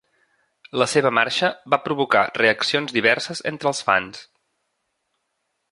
La seva marxa va provocar reaccions diverses entre els fans.